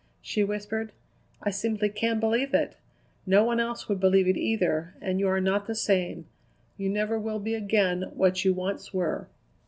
she whispered. "I simply can't believe it! No one else would believe it either; and you are not the same. You never will be again what you once were."